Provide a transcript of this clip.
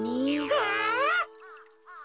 はあ！？